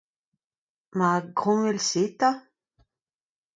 Ma, graeomp evel-se enta.